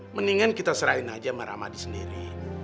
mendingan kita serahin aja sama rahmadi sendiri